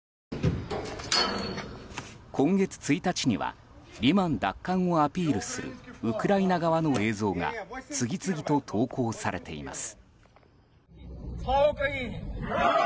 今月１日にはリマン奪還をアピールするウクライナ側の映像が次々と投稿されています。